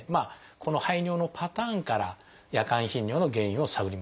この排尿のパターンから夜間頻尿の原因を探ります。